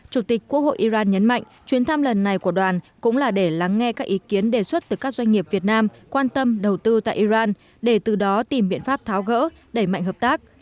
chủ tịch quốc hội iran nhấn mạnh chuyến thăm lần này của đoàn cũng là để lắng nghe các ý kiến đề xuất từ các doanh nghiệp việt nam quan tâm đầu tư tại iran để từ đó tìm biện pháp tháo gỡ đẩy mạnh hợp tác